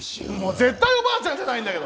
絶対におばあちゃんじゃないんだけど。